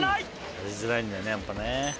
やりづらいんだねやっぱね。